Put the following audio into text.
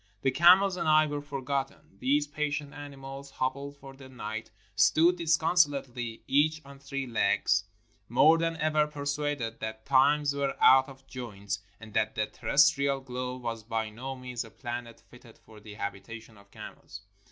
The camels and I were forgotten. These patient animals, hobbled for the night, stood disconsolately each on three legs, more than ever persuaded that times were out of joint and that the terrestrial globe was by no means a planet fitted for the habitation of camels.